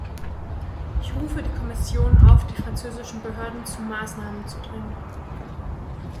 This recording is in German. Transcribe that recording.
Ich rufe die Kommission auf, die französischen Behörden zu Maßnahmen zu drängen.